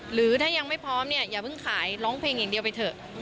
หรือถ้ายังไม่พร้อมเนี่ยอย่าเพิ่งขายร้องเพลงอย่างเดียวไปเถอะ